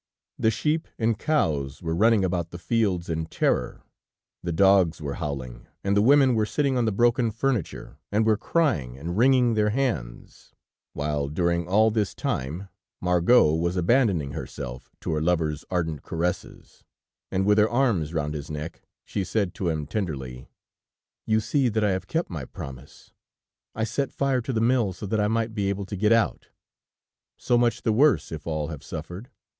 The sheep and cows were running about the fields in terror, the dogs were howling, and the women were sitting on the broken furniture, and were crying and wringing their hands; while during all this time Margot was abandoning herself to her lover's ardent caresses, and with her arms round his neck, she said to him, tenderly: "You see that I have kept my promise ... I set fire to the mill so that I might be able to get out. So much the worse if all have suffered.